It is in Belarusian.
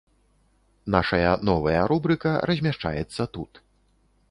Нашая новая рубрыка размяшчаецца тут.